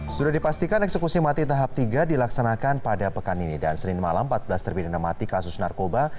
sudah dipastikan eksekusi mati tahap tiga dilaksanakan pada pekan ini dan senin malam empat belas terpidana mati kasus narkoba